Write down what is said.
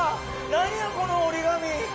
何やこの折り紙！